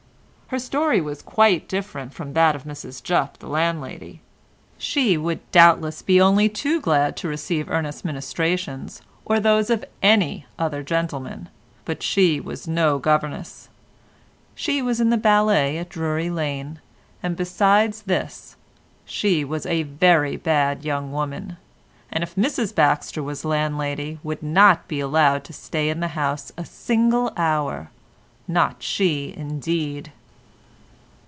Her story was quite different from that of Mrs Jupp the landlady. She would doubtless be only too glad to receive Ernest's ministrations or those of any other gentleman, but she was no governess, she was in the ballet at Drury Lane, and besides this, she was a very bad young woman, and if Mrs Baxter was landlady would not be allowed to stay in the house a single hour, not she indeed.